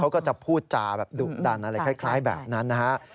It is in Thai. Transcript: เขาก็จะพูดจาแบบดุดันอะไรคล้ายแบบนั้นนะฮะ